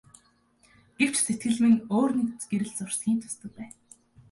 Гэвч сэтгэлд минь өөр нэг гэрэл зурсхийн тусдаг байна.